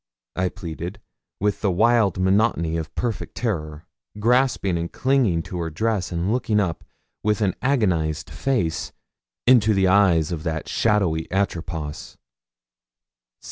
I pleaded, with the wild monotony of perfect terror, grasping and clinging to her dress, and looking up, with an agonised face, into the eyes of that shadowy Atropos.